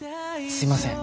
すいません。